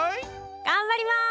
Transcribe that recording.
がんばります！